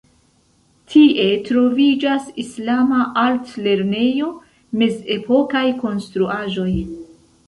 Tie troviĝas islama altlernejo, mezepokaj konstruaĵoj.